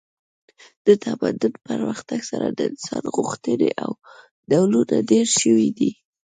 د تمدن پرمختګ سره د انسان غوښتنې او ډولونه ډیر شوي دي